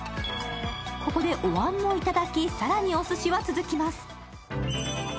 ここでおわんもいただき、更におすしは続きます。